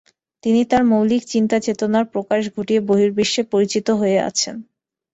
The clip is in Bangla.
তিনি তার মৌলিক চিন্তা-চেতনার প্রকাশ ঘটিয়ে বহিঃর্বিশ্বে পরিচিত হয়ে আছেন।